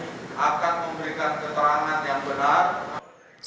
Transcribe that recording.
desaksi dalam perkara ini akan memberikan keterangan yang benar